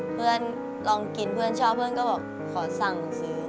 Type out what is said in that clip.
เพื่อนลองกินเพื่อนชอบเพื่อนก็บอกขอสั่งซื้อ